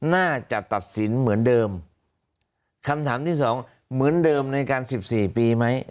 น่าจะตัดสินเหมือนเดิมคำถามที่สองเหมือนเดิมในการสิบสี่ปีไหม